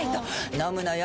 飲むのよ